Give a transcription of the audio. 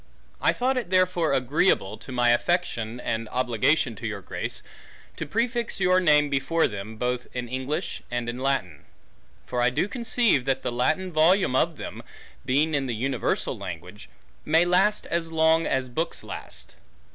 I thought it therefore agreeable, to my Affection, and Obligation to your Grace, to prefix your Name before them, both in English, and in Latine. For I doe conceive, that the Latine Volume of them, (being in the Universall Language) may last, as long as Bookes last.